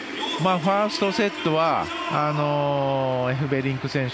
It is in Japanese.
ファーストセットはエフベリンク選手